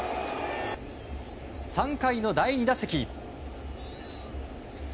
３回の第２打席。